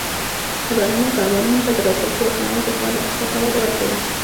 د بهرنیو کاروبارونو ته د لاسرسي اسانول د هیواد اقتصاد ته وده ورکوي.